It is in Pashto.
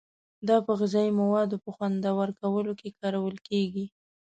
دا په غذایي موادو په خوندور کولو کې کارول کیږي.